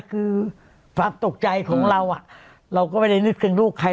คือฝากตกใจของเราอ่ะเราก็ไม่ได้นิดเกินรูปใคร